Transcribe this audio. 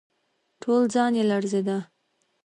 ټول ځان يې لړزېده.